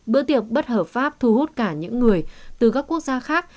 bữa tiệc bất hợp pháp thu hút cả những người từ các quốc gia khác